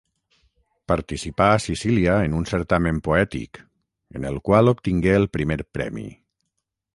Participà a Sicília en un certamen poètic, en el qual obtingué el primer premi.